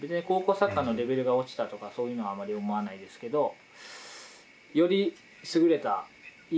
高校サッカーのレベルが落ちたとかそういうのはあまり思わないですけど。